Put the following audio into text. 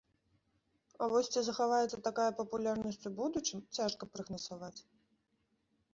А вось ці захаваецца такая папулярнасць у будучым, цяжка прагназаваць.